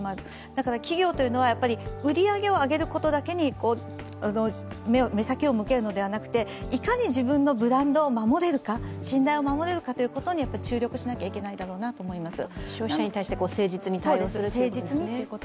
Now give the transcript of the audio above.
だから企業というのは、売り上げを上げることだけに目先を向けるのではなくていかに自分のブランドを守れるか、信頼を守れるかに注力しなきゃいけないだろうなと思います。